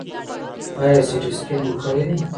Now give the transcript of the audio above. ایا سټي سکن مو کړی دی؟